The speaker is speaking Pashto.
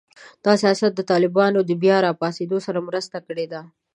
دا سیاست د طالبانو د بیا راپاڅېدو سره مرسته کړې ده